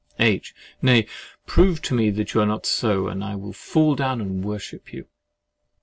H. Nay—prove to me that you are not so, and I will fall down and worship you.